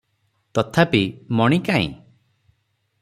ତଥାପି ମଣି କାଇଁ?